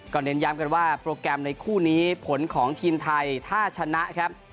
เน้นย้ำกันว่าโปรแกรมในคู่นี้ผลของทีมไทยถ้าชนะครับ